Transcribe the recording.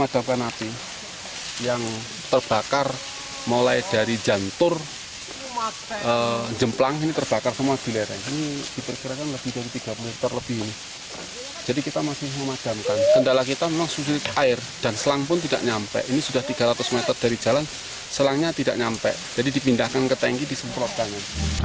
dan selang pun tidak nyampe ini sudah tiga ratus meter dari jalan selangnya tidak nyampe jadi dipindahkan ke tengki di semprotannya